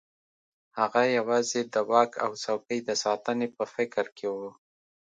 هغه یوازې د واک او څوکۍ د ساتنې په فکر کې وو.